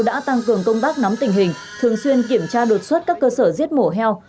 đã tăng cường công tác nắm tình hình thường xuyên kiểm tra đột xuất các cơ sở giết mổ heo